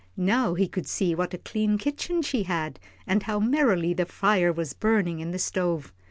Now he could see what a clean kitchen she had, and how merrily the fire was burning in the stove.